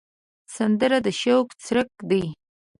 سندره د شوق څرک دی